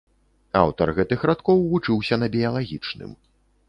Аўтар гэтых радкоў вучыўся на біялагічным.